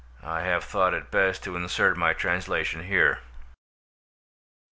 I have thought it best to insert my translation here.